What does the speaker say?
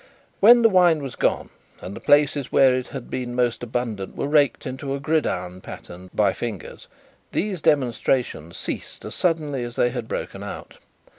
When the wine was gone, and the places where it had been most abundant were raked into a gridiron pattern by fingers, these demonstrations ceased, as suddenly as they had broken out.